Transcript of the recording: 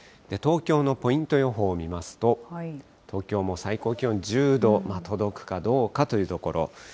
東京のポイント予報を見ますと、東京も最高気温１０度、届くかどうかというところ。